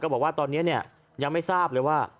บอกว่าตอนนี้ยังไม่ทราบเลยว่า